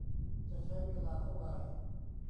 จะใช้เวลาเท่าไร